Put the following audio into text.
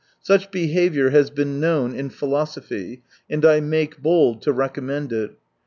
Such behaviour has been known in philosophy ; and I make bold to recommend it.